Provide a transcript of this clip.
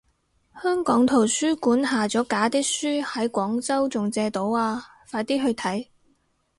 香港圖書館下咗架啲書喺廣州仲借到啊，快啲去睇